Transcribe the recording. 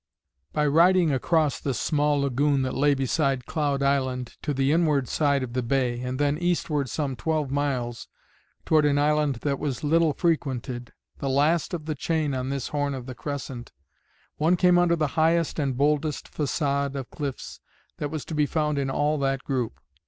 By riding across the small lagoon that lay beside Cloud Island to the inward side of the bay, and then eastward some twelve miles toward an island that was little frequented, the last of the chain on this horn of the crescent, one came under the highest and boldest façade of cliffs that was to be found in all that group.